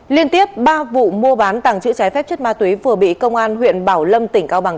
liên tiếp ba vụ mua bán tàng chữ trái phép chất ma túy vừa bị công an huyện bảo lâm tỉnh cao bằng